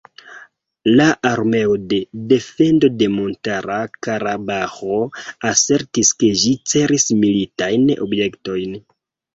La armeo de defendo de Montara Karabaĥo asertis ke ĝi celis militajn objektojn.